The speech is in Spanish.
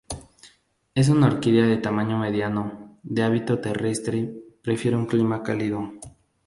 Es una orquídea de tamaño mediano, de hábito terrestre, prefiere un clima cálido.